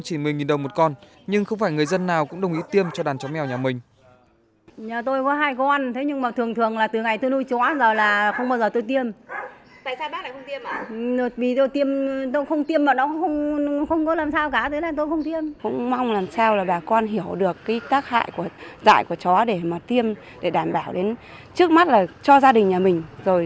chỉ một mươi đồng một con nhưng không phải người dân nào cũng đồng ý tiêm cho đàn chó mèo nhà mình